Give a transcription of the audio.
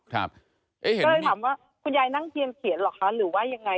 ก็เลยถามว่าคุณยายนั่งเทียนเขียนเหรอคะหรือว่ายังไง